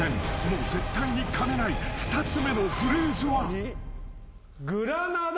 ［もう絶対にかめない２つ目のフレーズは］